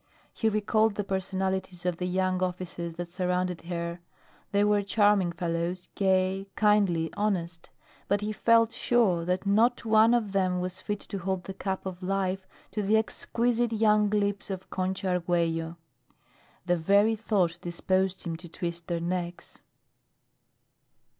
He recalled the personalities of the young officers that surrounded her. They were charming fellows, gay, kindly, honest; but he felt sure that not one of them was fit to hold the cup of life to the exquisite young lips of Concha Arguello. The very thought disposed him to twist their necks.